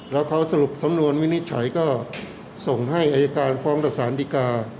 แล้วเขาสรุปสำนวนวินิจฉัยก็ส่งให้อายการฟ้องกับสารดีกา